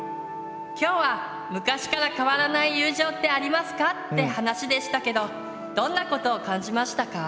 今日は「昔から変わらない友情ってありますか？」って話でしたけどどんなことを感じましたか？